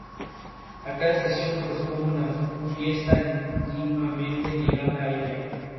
Algunos elementos en un circuito pueden transformar energía de una forma a otra.